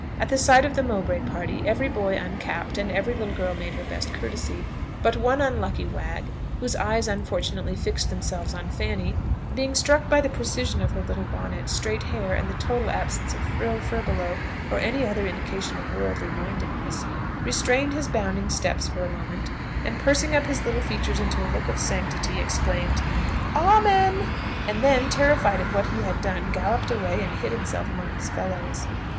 At sight of the Mowbray party, every boy uncapped, and every little girl made her best courtesy; but one unlucky wag, whose eyes unfortunately fixed themselves on Fanny, being struck by the precision of her little bonnet, straight hair, and the total absence of frill, furbelow, or any other indication of worldly mindedness, restrained his bounding steps for a moment, and, pursing up his little features into a look of sanctity, exclaimed "Amen!" and then, terrified at what he had done, galloped away and hid himself among his fellows.